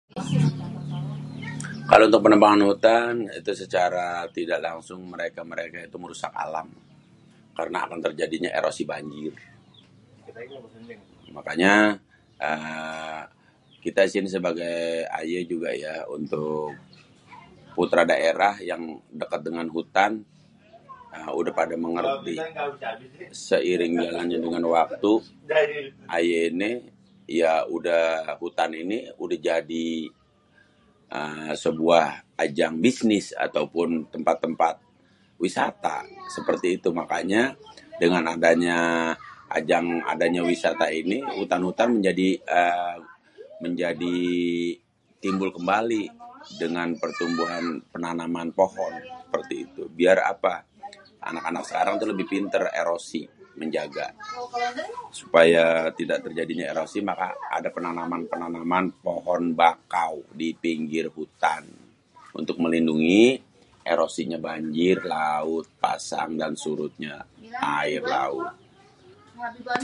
Kalo untuk penebangan hutan itu secara tidak langsung mereka-mereka itu merusak alam karena akan terjadinya erosi banjir makanya eee kita di sini sebagai ayé juga ya untuk putra daerah yang deket dengan hutan udah pada mengerti. Seiring berjalannya dengan waktu ayé ni ya hutan ini, udah jadi sebuah ajang bisnis ataupun tempat-tempat wisata seperti itu mangkanya dengan adanya ajang wisata ini hutan-hutan menjadi timbul kembali. Dengan pertumbuhan penanaman pohon seperti itu. Biar apa? anak-anak sekarang tuh lebih pinter erosi, menjaga supaya tidak terjadinya erosi maka ada penanaman-penanaman pohon bakau di pinggir hutan, untuk melindungi erosinya banjir laut pasang dan surutnya air laut.